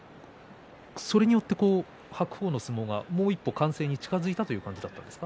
それによって白鵬の相撲がもう一歩、完成に近づいたという感じですか？